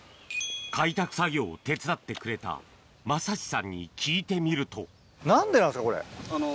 開拓作業を手伝ってくれた政志さんに聞いてみると何でなんですかこれ。